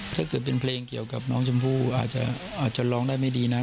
ถ้าเกิดเป็นเพลงเกี่ยวกับน้องชมพู่อาจจะร้องได้ไม่ดีนะ